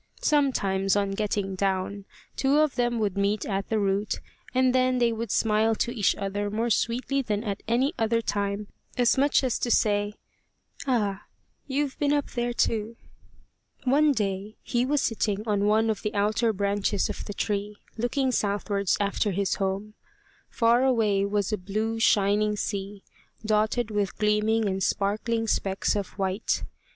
Sometimes, on getting down, two of them would meet at the root, and then they would smile to each other more sweetly than at any other time, as much as to say, "Ah, you've been up there too!" One day he was sitting on one of the outer branches of the tree, looking southwards after his home. Far away was a blue shining sea, dotted with gleaming and sparkling specks of white.